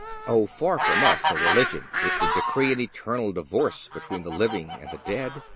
Oh, far from us a religion which would decree an eternal divorce between the living and the dead.